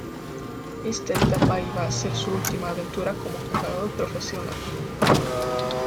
Esta etapa iba a ser su última aventura como jugador profesional.